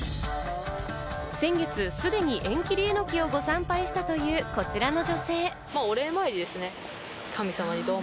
先月すでに縁切榎をご参拝したという、こちらの女性。